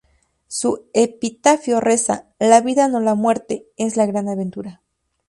Su epitafio reza: "La vida, no la muerte, es la gran aventura".